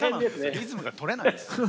リズムがとれないんです。